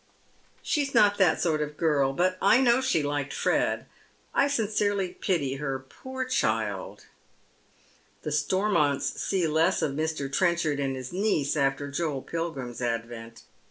She's not that sort of girl. But I know she liked Fred. I sincerely pity her, poor child." The Stormonts see less of Mr. Trenchard and his niece after Joel Pilgrim's advent.